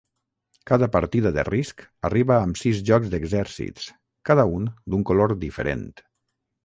Cada partida de Risc arriba amb sis jocs d'exèrcits, cada un d'un color diferent.